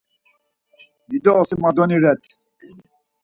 Dido osimadoni ret.